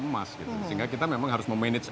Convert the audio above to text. emas gitu sehingga kita memang harus memanage